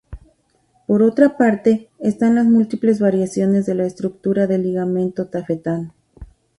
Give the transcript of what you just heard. Por otra parte, están las múltiples variaciones de la estructura del ligamento tafetán.